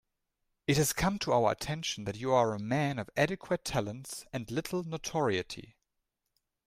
It has come to our attention that you are a man of adequate talents and little notoriety.